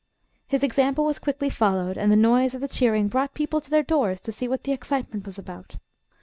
His example was quickly followed and the noise of the cheering brought people to their doors to see what the excitement was about.